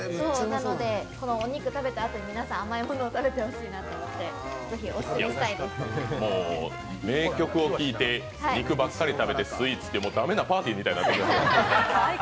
お肉食べたあとに皆さん、甘いものを食べてほしいなと思って名曲を聴いて肉ばっかり食ってスイーツって、もう駄目なパーティーみたいになってます。